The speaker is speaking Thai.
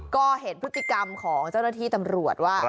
ก็เห็นพฤติกรรมของเจ้าหน้าที่ตำรวจว่า